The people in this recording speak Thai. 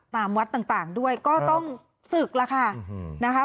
ตามวัดต่างด้วยก็ต้องศึกแล้วค่ะนะคะ